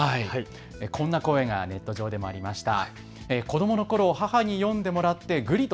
こんな声がネット上でもありました。